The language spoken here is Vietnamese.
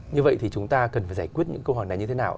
như vậy thì chúng ta cần phải giải quyết những câu hỏi này như thế nào